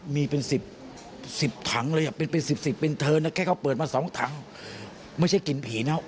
ไม่ใช่นะ